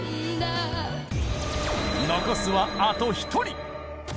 残すはあと１人。